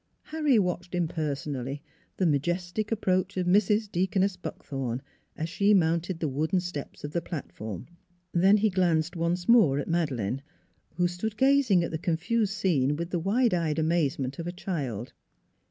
Harry watched impersonally the majestic approach of Mrs. Deaconess Buckthorn, as she mounted the wooden steps of the platform. Then he glanced once more at Madeleine, who stood gazing at the confused scene with the wide eyed amazement of a child.